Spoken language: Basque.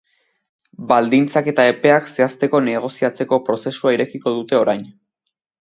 Baldintzak eta epeak zehazteko negoziatzeko prozesua irekiko dute orain.